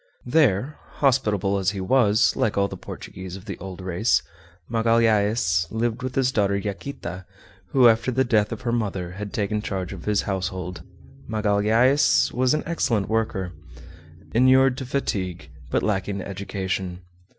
There, hospitable as he was, like all the Portuguese of the old race, Magalhaës lived with his daughter Yaquita, who after the death of her mother had taken charge of his household. Magalhaës was an excellent worker, inured to fatigue, but lacking education.